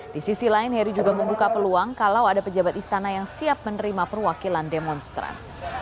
di sisi lain heri juga membuka peluang kalau ada pejabat istana yang siap menerima perwakilan demonstran